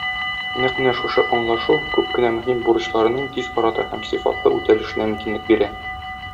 Нәкъ менә шушы аңлашу күп кенә мөһим бурычларның тиз арада һәм сыйфатлы үтәлешенә мөмкинлек бирә.